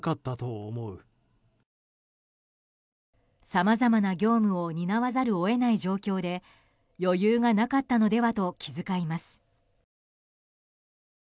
さまざまな業務を担わざるを得ない状況で余裕がなかったのではと気遣います。